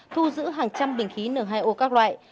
thu giữ hàng trăm bình khí n hai o các loại